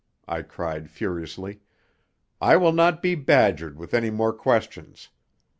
I cried furiously. "I will not be badgered with any more questions.